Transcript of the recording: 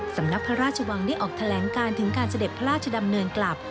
สำนักพระราชวังได้ออกแถลงการถึงการเสด็จพระราชดำเนินกลับ